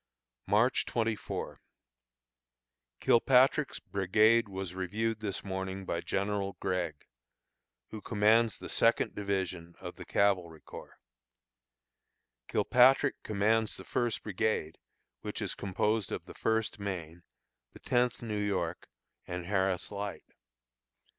March 24. Kilpatrick's brigade was reviewed this morning by General Gregg, who commands the Second division of the cavalry corps. Kilpatrick commands the First brigade, which is composed of the First Maine, the Tenth New York, and Harris Light.